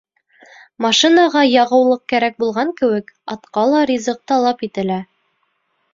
Машинаға яғыулыҡ кәрәк булған кеүек, атҡа ла ризыҡ талап ителә.